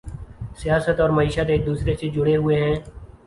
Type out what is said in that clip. سیاست اور معیشت ایک دوسرے سے جڑے ہوئے ہیں